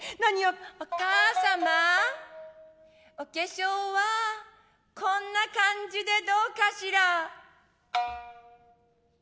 「お母様お化粧はこんな感じでどうかしら」。